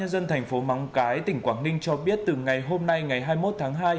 dân thành phố móng cái tỉnh quảng ninh cho biết từ ngày hôm nay ngày hai mươi một tháng hai